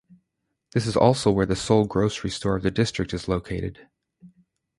This is also where the sole grocery store of the district is located.